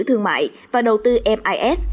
thương mại và đầu tư mis